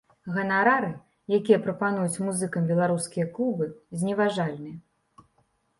Ганарары, якія прапануюць музыкам беларускія клубы, зневажальныя.